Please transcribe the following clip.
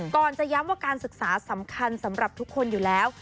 จะย้ำว่าการศึกษาสำคัญสำหรับทุกคนอยู่แล้ว